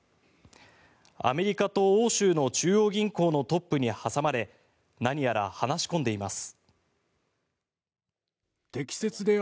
アメリカと欧州の中央銀行のトップに挟まれ何やら話し込んでいます。